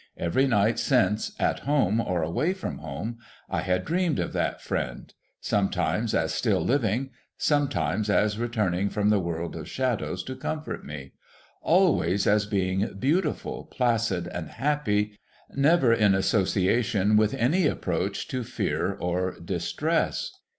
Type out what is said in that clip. Every night since, at home or away from home, I had dreamed of that friend ; sometimes as still living ; sometimes as returning from the world of shadows to comfort me ; always as being beautiful, placid, and happy, never in association with any approach to fear or distress.